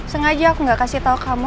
sengaja aku gak kasih tau kamu